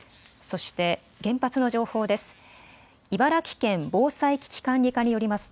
そして原発の情報です。